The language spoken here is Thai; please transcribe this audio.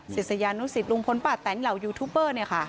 ศิษยานุสิทธิ์ลุงผลป่าแต่งเหล่ายูทูเบอร์เนี่ยค่ะ